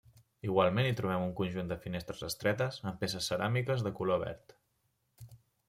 Igualment hi trobem un conjunt de finestres estretes amb peces ceràmiques de color verd.